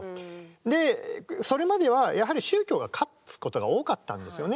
でそれまではやはり宗教が勝つことが多かったんですよね。